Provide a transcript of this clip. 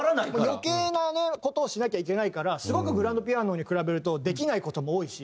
余計な事をしなきゃいけないからすごくグランドピアノに比べるとできない事も多いし。